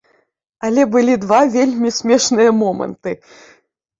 Але былі два вельмі смешныя моманты.